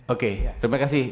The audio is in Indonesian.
oke terima kasih